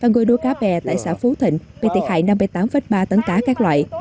và người nuôi cá bè tại xã phú thịnh bị thiệt hại năm mươi tám ba tấn cá các loại